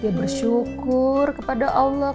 dia bersyukur kepada allah